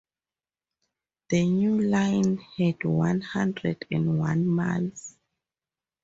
The new line had one hundred and one miles.